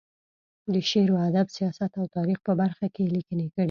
د شعر، ادب، سیاست او تاریخ په برخه کې یې لیکنې کړې.